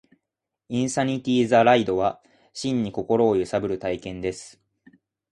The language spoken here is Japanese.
インサニティ・ザ・ライドは、真に心を揺さぶる体験です